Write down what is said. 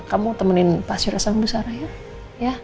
kamu temenin pak surya sama bu sarah ya